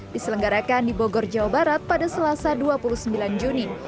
diselenggarakan di bogor jawa barat pada selasa dua puluh sembilan juni